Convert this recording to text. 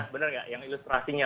bener nggak yang ilustrasinya